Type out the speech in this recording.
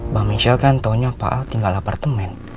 bang michelle kan taunya pak al tinggal apartemen